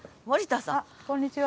こんにちは。